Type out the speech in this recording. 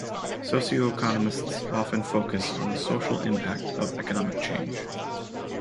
Socioeconomists often focus on the social impact of economic change.